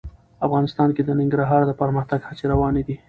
افغانستان کې د ننګرهار د پرمختګ هڅې روانې دي.